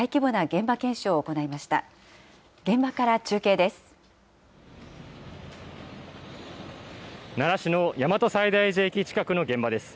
現場から中継です。